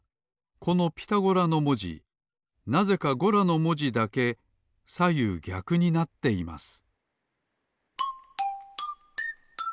この「ピタゴラ」のもじなぜか「ゴラ」のもじだけさゆうぎゃくになっています